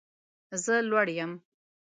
زه لوړ یم